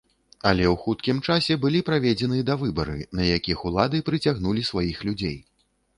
Але ў хуткім часе былі праведзены давыбары, на якіх улады прыцягнулі сваіх людзей.